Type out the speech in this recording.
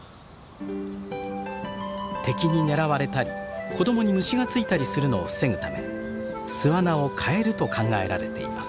敵に狙われたり子供に虫が付いたりするのを防ぐため巣穴を替えると考えられています。